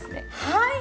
はい！